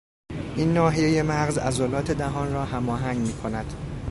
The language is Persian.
این ناحیهی مغز عضلات دهان را هماهنگ میکند.